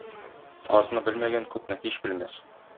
Азны белмәгән күпне һич белмәс.